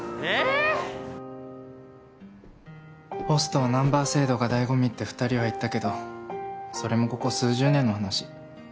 （ナホストはナンバー制度がだいご味って２人は言ったけどそれもここ数十年の話。